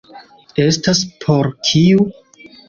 Estas por kiu?